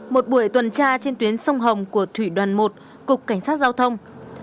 một buổi tuần tra trên tuyến sông hồng của thủy đoàn một cục cảnh sát giao thông